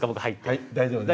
はい大丈夫です。